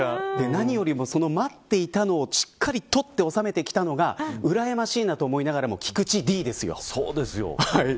何よりも待っていたのをしっかり撮って収めてきたのがうらやましいなと思いながらも菊池Ｄですよ。